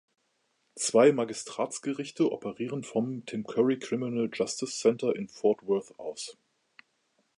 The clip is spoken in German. Zwei Magistratsgerichte operieren vom Tim Curry Criminal Justice Center in Fort Worth aus.